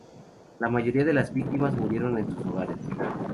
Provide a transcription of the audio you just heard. La mayoría de las víctimas murieron en sus hogares.